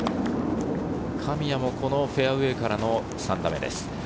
神谷もこのフェアウエーからの３打目です。